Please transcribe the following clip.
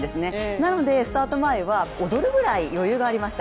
なので、スタート前は踊るぐらい余裕がありました。